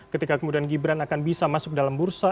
ketika kemudian gibran akan bisa masuk dalam bursa